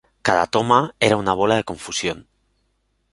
Cada toma era una bola de confusión.